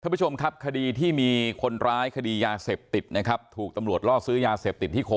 ผู้ชมครับคดีที่มีคนร้ายคดียาเสพติดนะครับถูกตำรวจล่อซื้อยาเสพติดที่โค